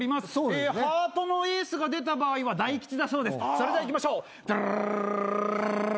それではいきましょう。